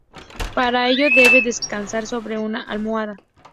Para ello debe descansar sobre una almohada.